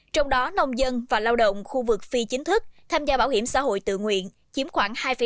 trong đó nông dân và lao động khu vực phi chính thức tham gia bảo hiểm xã hội tự nguyện chiếm khoảng hai năm